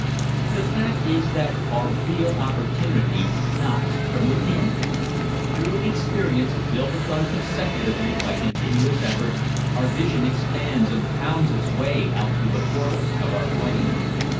The fact is that our real opportunity knocks from within. Through experience, built upon consecutively by continuous effort, our vision expands and pounds its way out through the portals of our brain.